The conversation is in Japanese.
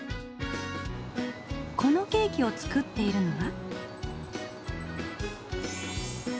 このケーキを作っているのは。